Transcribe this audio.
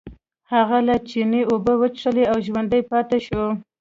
هغه له چینې اوبه وڅښلې او ژوندی پاتې شو.